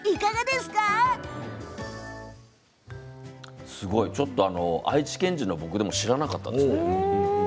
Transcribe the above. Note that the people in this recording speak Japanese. すごい、ちょっと愛知県人の僕でも知らなかったですね。